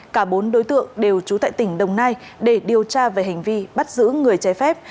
cả bốn đối tượng đều trú tại tỉnh đồng nai để điều tra về hành vi bắt giữ người trái phép